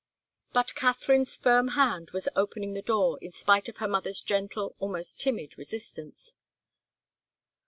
But Katharine's firm hand was opening the door in spite of her mother's gentle, almost timid, resistance.